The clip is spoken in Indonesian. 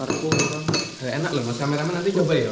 enak loh masih ramai ramai nanti coba ya